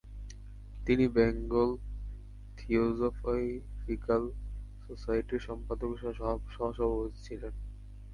তিনি Bengal theosophical সোসাইটির সম্পাদক ও সহ-সভাপতি ছিলেন।